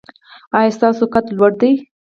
ایا ستاسو قد لوړ دی؟